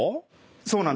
そうなんです。